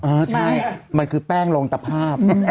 เออใช่มันคือแป้งลงตภาพ